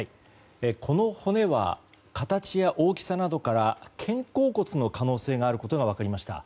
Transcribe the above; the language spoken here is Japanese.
この骨は形や大きさなどから肩甲骨の可能性があることが分かりました。